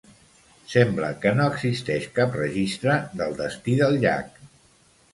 Sembla que no existeix cap registre del destí del llac.